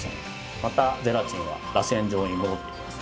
またゼラチンはらせん状に戻ってきます。